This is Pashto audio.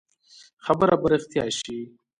خبره به رښتيا شي.